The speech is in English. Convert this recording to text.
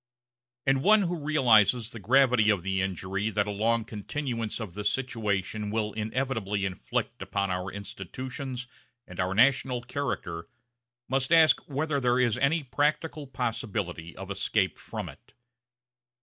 And one who realizes the gravity of the injury that a long continuance of this situation will inevitably inflict upon our institutions and our national character must ask whether there is any practical possibility of escape from it.